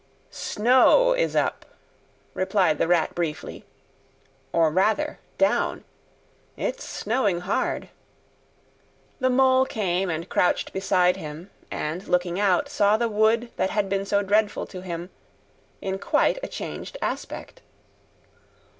"Snow is up," replied the Rat briefly; "or rather, down. It's snowing hard." The Mole came and crouched beside him, and, looking out, saw the wood that had been so dreadful to him in quite a changed aspect.